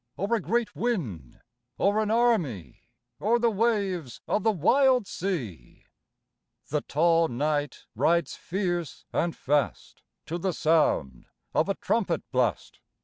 Or a great wind, or an army, Or the waves of the wild sea ? The tall knight rides fierce and fast To the sound of a trumpet blast.